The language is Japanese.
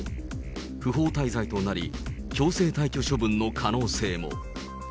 不法滞在となり、強制退去処分の可能性も。